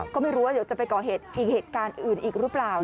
ก็ไม่รู้ว่าเดี๋ยวจะไปก่อเหตุอีกเหตุการณ์อื่นอีกหรือเปล่า